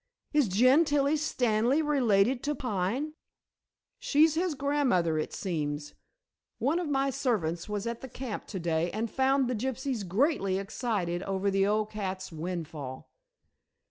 Is Gentilla Stanley related to Pine?" "She's his grandmother, it seems. One of my servants was at the camp to day and found the gypsies greatly excited over the old cat's windfall."